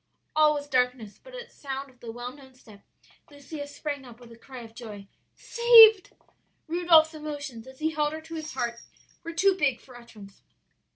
"All was darkness, but at sound of the well known step Lucia sprang up with a cry of joy. 'Saved!' "Rudolph's emotions, as he held her to his heart, were too big for utterance.